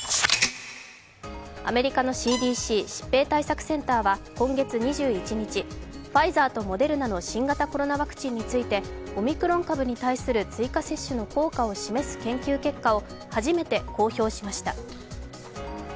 アメリカのＣＤＣ＝疾病対策センターは今月２１日、ファイザーとモデルナの新型コロナワクチンについてオミクロン株に対する追加接種の効果を示す研究結果を初めて公表しました。